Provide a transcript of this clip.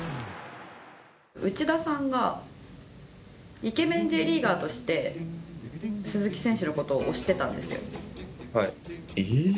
内田さんがイケメンＪリーガーとして鈴木選手の事を推していたんですよ。